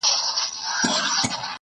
چي مساپر دي له ارغوان کړم ..